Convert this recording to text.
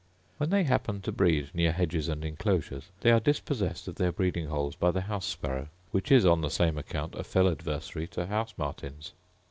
When they happen to breed near hedges and enclosures, they are dispossessed of their breeding holes by the house sparrow, which is on the same account a fell adversary to house martins.